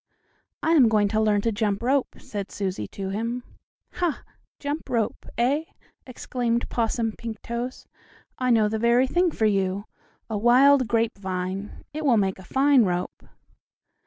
"I am going to learn to jump rope," said Susie to him. "Ha! Jump rope, eh?" exclaimed Possum Pinktoes. "I know the very thing for you. A wild grapevine! It will make a fine rope."